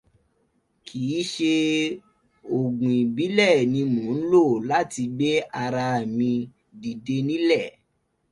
Kìí ṣe oògùn ìbílẹ̀ ni mo ń lò láti gbé ara mi dìde nílẹ̀